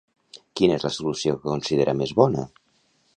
Quina és la solució que considera més bona?